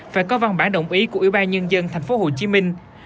phải có văn bản đồng ý của ủy ban nhân dân thành phố hồ chí minh